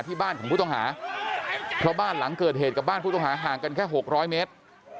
ที่บ้านของผู้ต้องหาเพราะบ้านหลังเกิดเหตุกับบ้านผู้ต้องหาห่างกันแค่๖๐๐เมตร